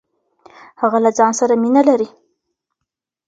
هغه له ځان سره مينه لري.